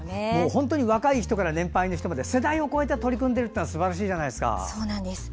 本当に若い人から年配の人まで世代を越えて取り組んでいるというのはすばらしいですね。